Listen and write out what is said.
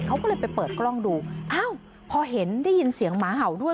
เขาก็เลยไปเปิดกล้องดูอ้าวพอเห็นได้ยินเสียงหมาเห่าด้วย